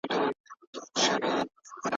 چي را ویښ